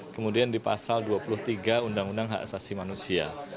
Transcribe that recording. kemudian di pasal dua puluh tiga undang undang hak asasi manusia